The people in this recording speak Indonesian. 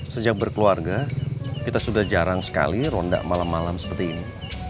sejak berkeluarga kita sudah jarang sekali ronda malam malam seperti ini